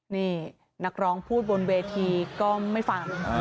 นี่นักร้องพูดบนเวทีก็ไม่ฟัง